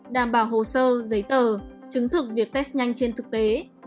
đảm bảo hồ sơ giấy tờ chứng thực việc test nhanh trên thực tế